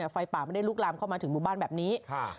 ไฟป่าไม่ได้ลุกลามเข้ามาถึงหมู่บ้านแบบนี้